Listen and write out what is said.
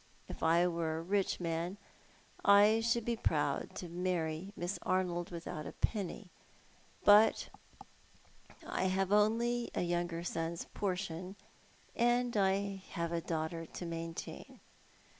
If I were a rich man I should be proud to marry Miss Arnold without a penny ; but I have only a younger son's portion, and I have a daughter to maintain.